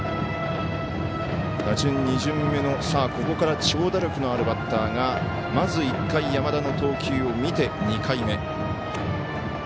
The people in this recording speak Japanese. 打順２巡目の、ここから長打力のあるバッターがまず１回山田の投球を見て２回目。